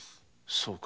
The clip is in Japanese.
そうか。